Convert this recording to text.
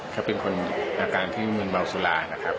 เขาเป็นคนอาการที่มืนเมาสุรานะครับ